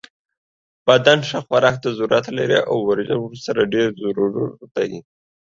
بدن ښه خوراک ته ضرورت لری او ورزش ورسره ډیر ضروری ده